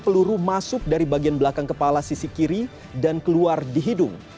peluru masuk dari bagian belakang kepala sisi kiri dan keluar di hidung